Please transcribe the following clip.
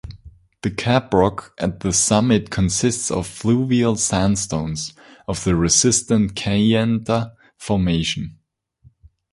The caprock at the summit consists of fluvial sandstones of the resistant Kayenta Formation.